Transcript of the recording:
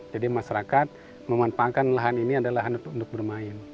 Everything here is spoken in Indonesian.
jadi masyarakat memanfaatkan lahan ini adalah lahan untuk bermain